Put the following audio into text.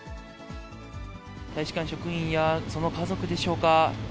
大使館職員や、その家族でしょうか。